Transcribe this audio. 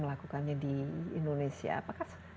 lakukannya di indonesia apakah